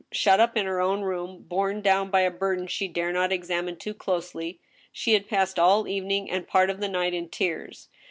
Shut up in her own room, borne clown by a burden she dared not examine too closely, she had passed ail the evening and part of the night in tears.